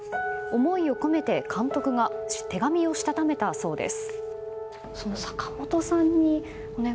思いを込めて監督が手紙をしたためたそうです。